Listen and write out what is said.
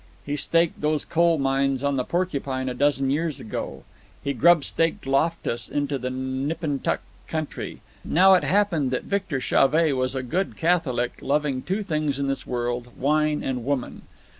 He staked those coal mines on the Porcupine a dozen years ago. He grubstaked Loftus into the Nippennuck Country. Now it happened that Victor Chauvet was a good Catholic, loving two things in this world, wine and woman.